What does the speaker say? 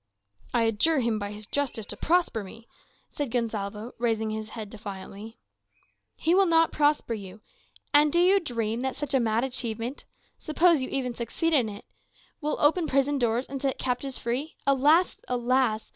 "I adjure him by his justice to prosper me," said Gonsalvo, raising his head defiantly. "He will not prosper you. And do you dream that such a mad achievement (suppose you even succeed in it) will open prison doors and set captives free? Alas! alas!